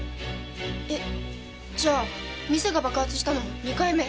えっじゃあ店が爆発したの２回目。